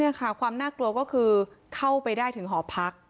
นี่ค่ะความน่ากลัวก็คือเข้าไปได้ถึงหอพัก